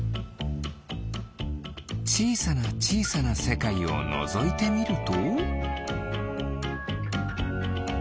ちいさなちいさなせかいをのぞいてみると？